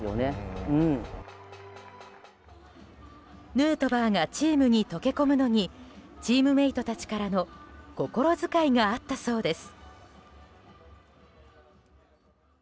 ヌートバーがチームに溶け込むのにチームメートたちからの心遣いがあったそうです。